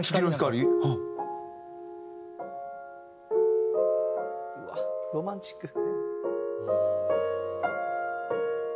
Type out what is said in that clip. うわっロマンチック。